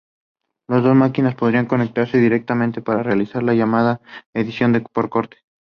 Hsu attended Catholic missionary grammar and high school.